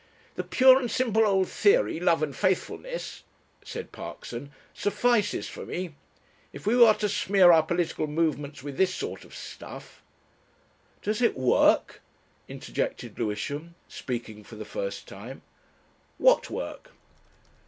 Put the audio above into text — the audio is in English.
"The pure and simple old theory love and faithfulness," said Parkson, "suffices for me. If we are to smear our political movements with this sort of stuff ..." "Does it work?" interjected Lewisham, speaking for the first time. "What work?"